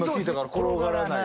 転がらない。